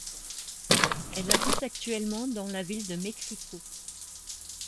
Elle habite actuellement dans la ville de Mexico.